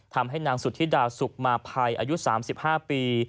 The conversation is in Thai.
ทำให้นางสุธิดาสุขมาภัยอายุ๓๕ปี